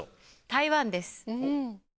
台湾です。